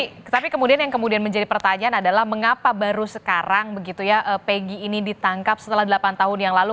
oke oke tapi kemudian yang menjadi pertanyaan adalah mengapa baru sekarang pegi ini ditangkap setelah delapan tahun yang lalu